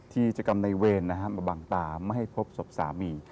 ที่จะกำในเวรนะครับมันบั่งตาไม่ให้พบสอบสามี